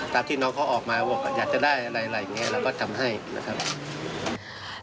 ที่น้องเขาออกมาว่าอยากจะได้อะไรอะไรอย่างนี้เราก็ทำให้นะครับ